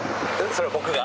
それは僕が。